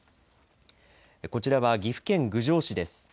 こちらは岐阜県郡上市です。